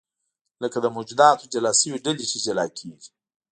لکه د موجوداتو جلا شوې ډلې چې جلا کېږي.